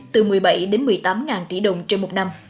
từ một mươi bảy đến một mươi tám ngàn tỷ đồng trên một năm